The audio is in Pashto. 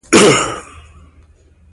اثناعشري شیعه ګان شامل وو